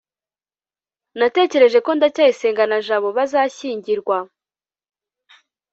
natekereje ko ndacyayisenga na jabo bazashyingirwa